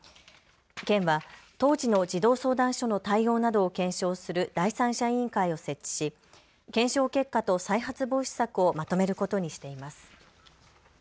県は当時の児童相談所の対応などを検証する第三者委員会を設置し検証結果と再発防止策をまとめることにしています。